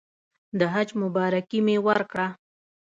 د حج مبارکي مې ورکړه.